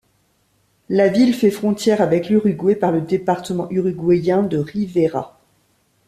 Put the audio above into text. La ville fait frontière avec l'Uruguay par le département uruguayen de Rivera.